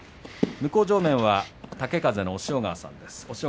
向正面は豪風の押尾川さんです。